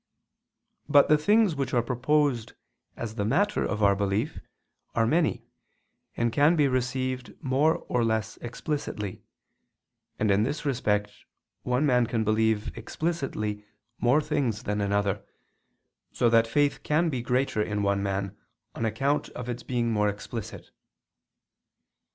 But the things which are proposed as the matter of our belief are many and can be received more or less explicitly; and in this respect one man can believe explicitly more things than another, so that faith can be greater in one man on account of its being more explicit.